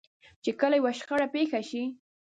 چې کله يوه شخړه پېښه شي.